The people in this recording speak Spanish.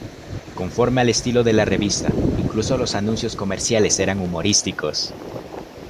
Conforme al estilo de la revista, incluso los anuncios comerciales eran humorísticos.